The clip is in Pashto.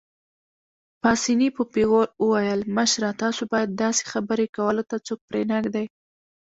پاسیني په پېغور وویل: مشره، تاسو باید داسې خبرې کولو ته څوک پرېنږدئ.